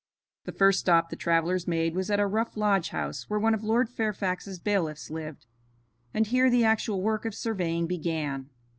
The first stop the travelers made was at a rough lodge house where one of Lord Fairfax's bailiffs lived, and here the actual work of surveying began.